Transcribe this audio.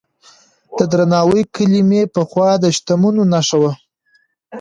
د درناوي کلمې پخوا د شتمنو نښه وه.